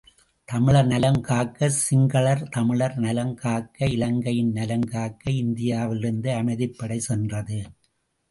தமிழர் நலம் காக்க சிங்களர் தமிழர் நலம் காக்க இலங்கையின் நலம் காக்க இந்தியாவிலிருந்து அமைதிப்படை சென்றது.